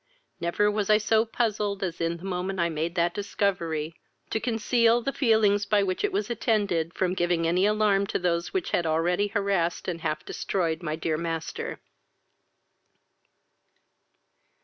Never was I so puzzled as in the moment I made that discovery, to conceal the feelings by which it was attended, from giving any alarm to those which had already harassed and half destroyed my dear master.